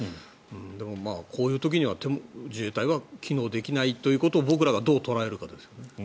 でも、こういう時には自衛隊は機能できないということを僕らがどう捉えるかですよね。